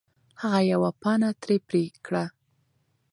هغه یوه پاڼه ترې پرې کړه.